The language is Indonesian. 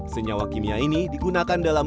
senyawa kimia ini digunakan dalam